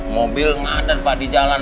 mobil ngandat pak di jalan